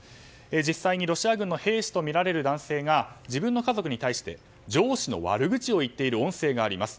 実際にロシア軍の兵士とみられる男性が自分の家族に対して上司の悪口を言っている音声があります。